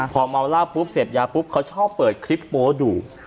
พอเมาเหล้าปุ๊บเสพยาปุ๊บเขาชอบเปิดคลิปโป๊ดู